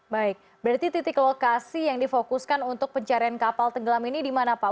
baik berarti titik lokasi yang difokuskan untuk pencarian kapal tenggelam ini di mana pak